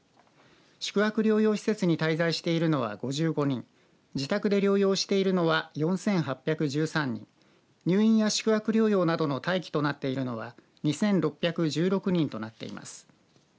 宿泊療養施設に滞在しているのは５５人自宅で療養しているのは４８１３人入院や宿泊療養などの待機となっているのは２６１６人となっています。